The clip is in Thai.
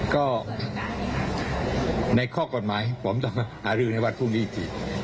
ก็ในข้อกลุ่มกฎหมายผมต้องหารือในวันพรุ่งนี้